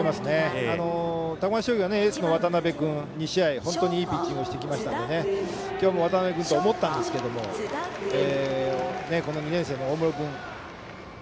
高松商業はエースの渡辺君がいいピッチングをしてきましたので今日も渡辺くんと思ったんですけどもこの２年生の大室君。